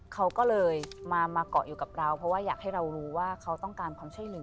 เขาก็เลยมาเกาะอยู่กับเราเพราะว่าอยากให้เรารู้ว่าเขาต้องการความช่วยเหลือ